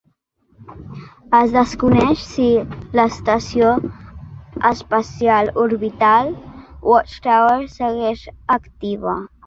Es desconeix si l'estació espacial orbital Watchtower segueix activa.